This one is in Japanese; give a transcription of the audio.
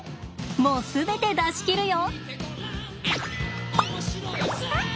もう全て出し切るよ！